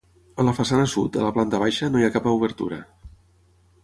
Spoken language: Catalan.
A la façana sud, a la planta baixa no hi ha cap obertura.